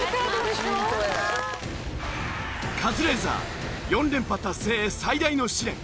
カズレーザー４連覇達成へ最大の試練。